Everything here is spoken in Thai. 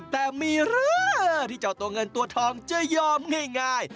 แต่มีหรือที่เจ้าตัวเงินตัวทองจะยอมง่าย